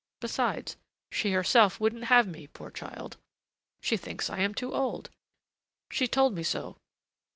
Besides, she herself wouldn't have me, poor child! She thinks I am too old: she told me so.